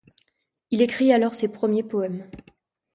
Il écrit alors ses premiers poèmes.